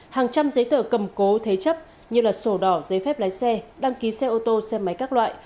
hàng trăm giấy tờ cầm cố thế chấp như sổ đỏ giấy phép lái xe đăng ký xe ô tô xe máy các loại